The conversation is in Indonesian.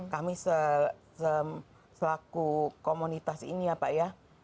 kami selaku komunitas ini ya pak ya